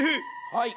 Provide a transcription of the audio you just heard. はい。